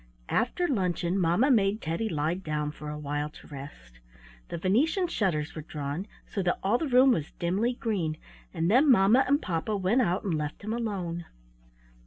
After luncheon mamma made Teddy lie down for a while to rest. The Venetian shutters were drawn, so that all the room was dimly green, and then mamma and papa went out and left him alone.